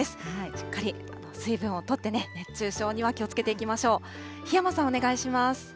しっかり水分をとって、熱中症には気をつけていきましょう。